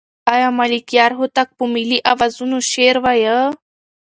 آیا ملکیار هوتک په ملي اوزانو شعر وایه؟